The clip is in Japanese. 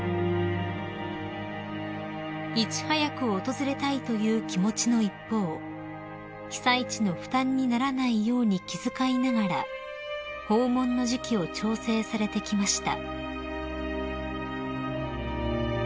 ［いち早く訪れたいという気持ちの一方被災地の負担にならないように気遣いながら訪問の時期を調整されてきました］